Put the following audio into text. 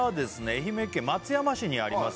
愛媛県松山市にあります